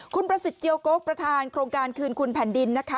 คุณประสิทธิเจียวโก๊กประธานโครงการคืนคุณแผ่นดินนะคะ